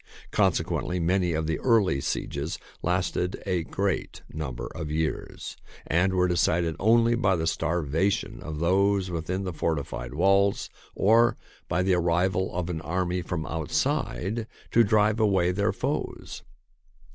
Conse quently, many of the early sieges lasted a great number of years and were decided only by the starvation of those within the fortified walls or by the arrival of an army from outside to drive away their foes.